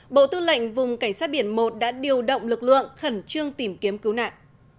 bộ tư lệnh vùng cảnh sát biển một đã điều động lực lượng khẩn trương tìm kiếm cứu nạn